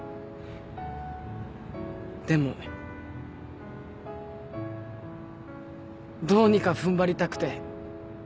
でもどうにか踏ん張りたくて。